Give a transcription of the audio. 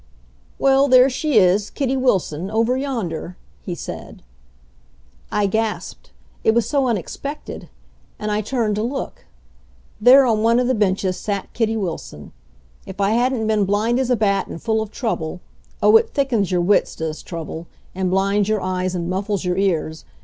"Well there she is, Kitty Wilson, over yonder," he said. I gasped, it was so unexpected. And I turned to look. There on one of the benches sat Kitty Wilson. If I hadn't been blind as a bat and full of trouble oh, it thickens your wits, does trouble, and blinds your eyes and muffles your ears!